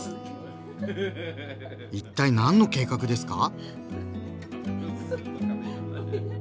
一体何の計画ですか？